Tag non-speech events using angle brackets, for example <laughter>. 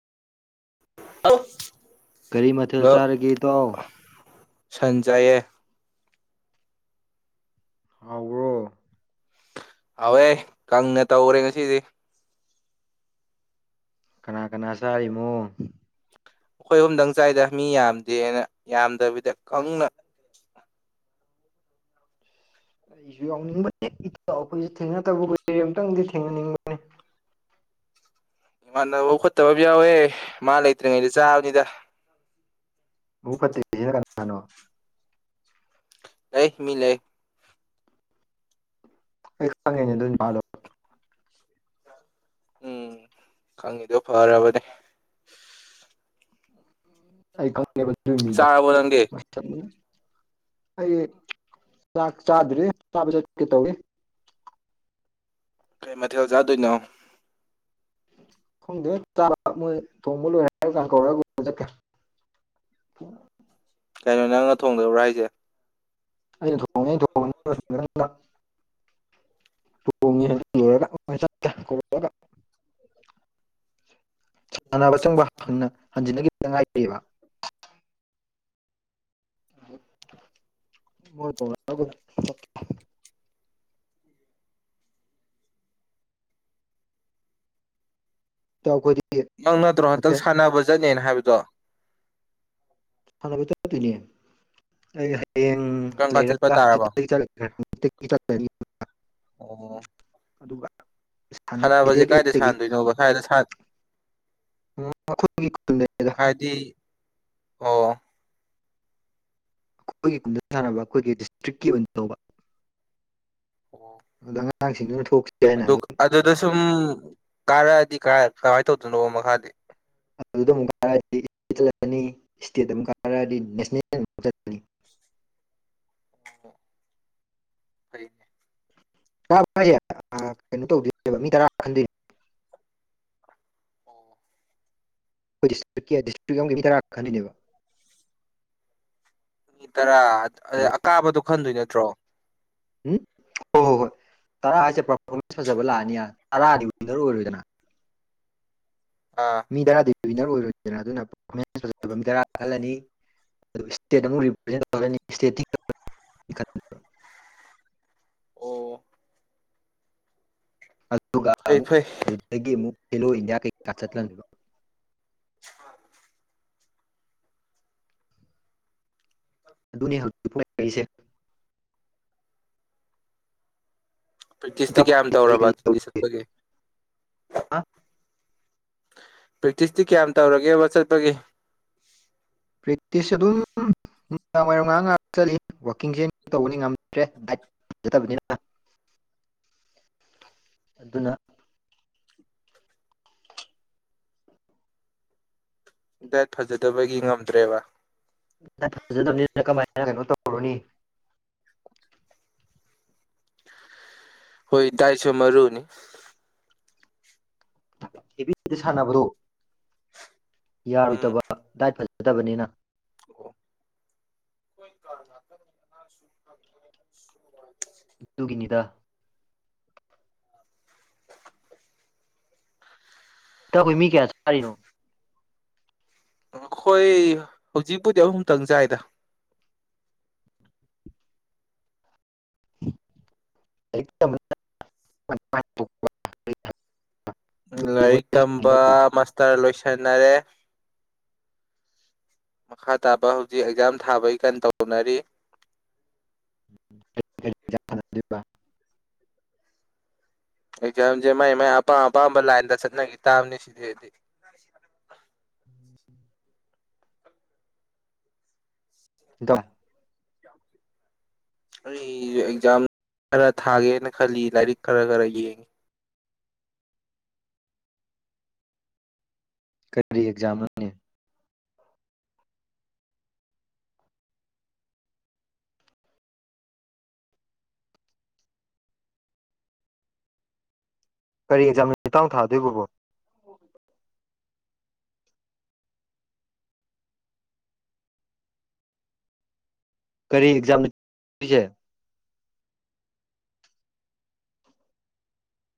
ꯀꯔꯤ ꯃꯊꯦꯜ ꯍꯜꯂꯣ ꯆꯥꯔꯒꯦ ꯇꯥꯎꯥꯎ ꯁꯟ ꯆꯥꯏꯌꯦ ꯍꯧ꯭ꯔ ꯍꯋꯦ ꯀꯪ ꯅꯦ ꯇ ꯎꯔꯦ ꯉꯁꯤꯗꯤ ꯀꯅꯥ ꯀꯅꯥ ꯆꯥꯔꯤꯅꯣ ꯑꯩꯈꯣꯏ ꯑꯨꯝꯗꯪ ꯆꯥꯏꯗ ꯃꯤ ꯌꯥꯝꯗꯦꯅ ꯌꯥꯝꯗꯕꯤꯗ ꯀꯪꯅ ꯑꯩꯁꯨ ꯌꯥꯎꯅꯤꯡꯕ ꯑꯩꯈꯣꯏꯁꯨ ꯊꯦꯡꯅꯗꯕ ꯀꯨꯏꯦ ꯑꯨꯛꯇꯪꯗꯤ ꯊꯦꯡꯅꯅꯤꯡꯕꯅꯤ <inaudible> ꯏꯃꯥꯟꯅꯕ ꯈꯠꯇꯕ ꯑꯃ ꯌꯥꯎꯋꯦ ꯃꯥ ꯂꯩꯇ꯭ꯔꯤꯉꯩꯗ ꯆꯥꯕꯅꯤꯗ ꯨꯄꯇꯔꯅꯣ ꯂꯩ ꯃꯤ ꯂꯩꯦ ꯑꯩ ꯈꯪꯉꯦꯅꯦ ꯑꯗꯨꯂꯣ ꯎꯝ ꯈꯪꯉꯤꯗꯣ ꯐꯔꯕꯅꯦ ꯑꯩ ꯈꯪꯉꯦꯕ ꯃꯤꯗꯣ ꯆꯥꯔꯕꯣ ꯅꯪꯗꯤ ꯑꯩ ꯆꯥꯛ ꯆꯥꯗ꯭ꯔꯔꯤ ꯆꯥꯕ ꯆꯠꯀꯦ ꯇꯧꯋꯤ ꯀꯩ ꯃꯊꯦꯜ ꯆꯥꯗꯣꯏꯅꯣ ꯈꯣꯡꯗꯦꯥꯕ ꯃꯣꯏ ꯊꯣꯡꯕ ꯂꯣꯏꯔꯦ ꯍꯥꯏꯔ ꯀ ꯀꯧꯔꯒ ꯆꯠꯀꯦ ꯑꯣ ꯀꯩꯅꯣ ꯅꯪꯅ ꯊꯣꯡꯗꯕ꯭ꯔꯥ ꯍꯥꯏꯁꯦ ꯑꯩꯅ ꯊꯣꯡꯉ <unintelligible> <inaudible> ꯁꯥꯟꯅꯕ ꯆꯪꯕ ꯍꯟꯖꯤꯟꯅꯈꯤ ꯇꯉꯥꯏ ꯂꯩꯕ ꯃꯣꯏ ꯀ ꯆꯥꯎ ꯀ ꯅꯪ ꯅꯠꯇ꯭ꯔꯣ ꯍꯟꯗꯛ ꯁꯥꯟꯅꯕ ꯆꯠꯅꯦꯅ ꯍꯥꯏꯕꯗꯣ <inaudible> ꯍꯌꯦꯡ ꯀꯔꯝ ꯀꯥꯟ ꯂꯩꯔ ꯆꯠꯄ ꯇꯥꯔꯕ ꯑꯣ ꯁꯥꯟꯅꯕ ꯁꯥꯟꯅꯕꯁꯦ ꯗꯦꯠ ꯀꯥꯏꯗ ꯑꯩꯠꯇꯒꯤ ꯁꯥꯟꯗꯣꯏꯅꯣꯕ ꯁꯋꯥꯏꯗ ꯑꯩꯈꯣꯏꯒꯤ ꯈꯨꯟꯗꯅꯤꯗ ꯍꯥꯏꯗꯤ ꯑꯣ ꯑꯩꯈꯣꯏꯒꯤ ꯀꯨꯝꯗ ꯁꯥꯟꯅꯕ ꯑꯩꯈꯣꯏꯒꯤ ꯗꯤꯁꯇ꯭ꯔꯤꯛꯀꯤ ꯑꯣꯏꯅ ꯇꯧꯕ ꯑꯣ ꯑꯉꯥꯡ ꯊꯥꯡꯁꯤ ꯑꯗꯨ ꯑꯗꯨꯗ ꯁꯨꯝ ꯀꯥꯔꯛꯑꯗꯤ ꯀꯃꯥꯏꯅ ꯇꯧꯗꯣꯏꯅꯣ ꯃꯈꯥꯗꯤ ꯑꯗꯨꯗ ꯑꯃꯨꯛ ꯀꯥꯔꯛꯑꯗꯤꯠꯄꯅꯤ ꯏꯁꯇꯦꯠ ꯑꯃꯨꯛ ꯀꯥꯔꯛꯑꯗꯤ ꯅꯦꯁꯅꯦꯜ ꯑꯃ ꯆꯠꯄꯅꯤ <inaudible> ꯐꯔꯤꯅꯦ ꯦ ꯀꯩꯅꯣ ꯇꯧꯗꯣꯏꯅꯦꯕ ꯃꯤ ꯇꯔꯥ ꯈꯟꯗꯣꯏꯅꯦ ꯑꯣ ꯑꯩꯈꯣꯏꯗꯤꯁꯇ꯭ꯔꯤꯛꯀꯤ ꯗꯤꯁꯇ꯭ꯔꯤꯛꯀꯤ ꯃꯤ ꯇꯔꯥ ꯈꯅꯦꯕ ꯑꯅꯤ ꯇꯔꯥ ꯑ ꯍꯜꯂꯣ ꯑꯀꯥꯕꯗꯣ ꯈꯟꯗꯣꯏ ꯅꯠꯇ꯭ꯔꯣ ꯎꯝ ꯍ ꯍꯣ ꯍꯣꯏ ꯇꯔꯥ ꯍꯥꯏꯁꯦ ꯄꯔꯐꯣꯔꯃꯦꯟꯁ ꯐꯖꯕ ꯂꯥꯛꯑꯅꯤ ꯇꯔꯥꯗꯤ ꯋꯤꯟꯅꯔ ꯑꯣꯏꯔꯣꯏꯗꯅ ꯑꯥ ꯃꯤ ꯇꯔꯥꯗꯤꯋꯤꯟꯅꯔ ꯑꯣꯏꯔꯣꯏꯗꯅ ꯑꯗꯨꯅ ꯄꯦꯟꯁ ꯐꯖꯕ ꯃꯤ ꯇꯔꯥꯍꯜꯂꯅꯤ ꯏꯁꯇꯦꯠ ꯑꯃꯨꯛ ꯔꯤꯄ꯭ꯔꯖꯦꯟ ꯇꯧꯅꯤ ꯏꯁꯇꯦ ꯑꯣ ꯑꯗꯨꯒ ꯐꯩ ꯑꯃꯨꯛ ꯐꯩ ꯑꯗꯨꯗꯒꯤ ꯑꯃꯨꯛ ꯈꯦꯂꯣ ꯏꯟꯗꯤꯌꯥ ꯀꯩꯀꯥ ꯆꯠꯕ ꯑ ꯑꯗꯨꯅꯤ ꯍꯧꯖꯤꯛꯇꯛ ꯄ ꯂꯩꯔꯤꯁꯦ ꯄ꯭ꯔꯦꯛꯇꯤꯁꯇꯤ ꯏꯇꯥꯎ ꯀꯌꯥꯝ ꯀꯔꯤ ꯇꯧꯔꯕ ꯀꯔꯤ ꯑꯗꯨꯗꯤ ꯇꯧꯔꯤꯒꯦ ꯆꯠꯄꯒꯦ ꯕ꯭ꯔꯤꯇꯤꯁꯇꯤ ꯀꯌꯥꯝ ꯇꯧꯔꯒꯦꯕ ꯆꯠꯄꯒꯦ ꯄꯇꯁ ꯑꯗꯨꯝ ꯅꯨꯅꯨꯡꯃꯤꯗꯥꯡ ꯋꯥꯏꯔꯝ ꯉꯥꯏꯍꯥꯛ ꯉꯥꯏꯍꯥꯛ ꯆꯠꯂꯤ ꯋꯥꯋꯥꯛꯀꯤꯡꯁ ꯇꯧꯕꯅꯤ ꯉꯝꯗ꯭ꯔꯦꯗꯥꯏꯅꯤꯅ ꯑꯗꯨꯅ ꯗꯥꯏꯠ ꯐꯖꯗꯕꯒꯤ ꯉꯝꯗ꯭ꯔꯦꯕ ꯐꯖꯕꯅꯤꯅ ꯀꯃꯥꯏꯅ ꯀꯩꯅꯣ ꯇꯧꯔꯨꯅꯤ ꯍꯣꯏ ꯇꯥꯏꯁꯨ ꯃꯔꯑꯣꯅꯤ ꯊꯕꯤꯗꯤ ꯁꯥꯟꯅꯕ꯭ꯔꯣ ꯎꯝ ꯌꯥꯔꯣꯏꯗꯕ ꯗꯥꯏꯠ ꯐꯖꯗꯕꯅꯤꯅ ꯑꯣ ꯑꯗꯨꯒꯤꯅꯤꯗ <unintelligible> ꯏꯇꯈꯣꯏ ꯃꯤ ꯀꯌꯥ ꯆꯔꯤꯅꯣ ꯑꯩꯈꯣꯏ ꯍꯧꯖꯤꯛꯄꯨꯗꯤ ꯑꯍꯨꯝꯇꯪ ꯆꯥꯏꯗ <unintelligible> ꯂꯥꯏꯔꯤꯛ ꯇꯝꯕ ꯃꯥꯁꯇꯔ ꯂꯣꯏꯁꯟꯅꯔꯦ ꯃꯈꯥ ꯇꯥꯕ ꯍꯧꯖꯤꯛ ꯑꯦꯛꯖꯥꯝ ꯊꯥꯕꯩ ꯀꯟ ꯇꯧꯅꯔꯤ <unintelligible> ꯑꯦꯛꯖꯥꯝꯁꯦ ꯃꯥꯏ ꯃꯥꯏ ꯑꯄꯥꯝ ꯑꯄꯥꯝꯕ ꯂꯥꯏꯟꯗ ꯆꯠꯅꯈꯤ ꯇꯥꯕꯅꯤ ꯁꯤꯗꯤꯗꯤ ꯗ ꯑꯩ ꯑꯦꯛꯖꯥꯝ ꯈꯔ ꯊꯥꯒꯦꯅ ꯈꯜꯂꯤ ꯂꯥꯏꯔꯤꯛ ꯈꯔ ꯈꯔ ꯌꯦꯡꯉꯤ ꯀꯔꯤ ꯑꯦꯛꯖꯝ ꯑꯅꯤ ꯀꯔꯤ ꯑꯦꯛꯖꯥꯃꯤꯠꯇꯥꯡ ꯊꯥꯗꯣꯏꯕꯕꯣ ꯀꯔꯤ ꯑꯦꯛꯖꯥꯝ